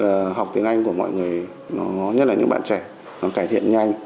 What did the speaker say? cái việc học tiếng anh của mọi người nhất là những bạn trẻ nó cải thiện nhanh